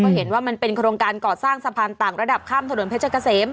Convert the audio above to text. ก็เห็นว่ามันเป็นโครงการก่อสร้างสะพานต่างระดับข้ามถนนเพชรเกษม